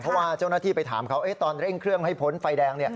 เพราะว่าเจ้าหน้าที่ไปถามเขาตอนเร่งเครื่องให้พ้นไฟแดง